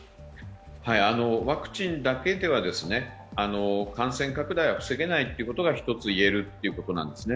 ワクチンだけでは感染拡大は防げないということが一つ言えるということなんですね。